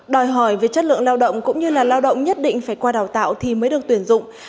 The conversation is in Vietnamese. đòi hỏi về chất lượng lao động cũng như là lao động nhất định phải qua đào tạo thì mới được tuyển dụng